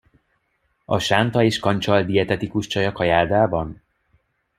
A sánta és kancsal dietetikus csaj a kajáldában?